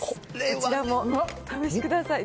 こちらもお試しください。